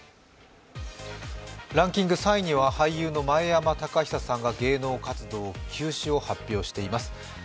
ランキング３位には俳優の前山剛久さんが芸能活動休止を発表しています。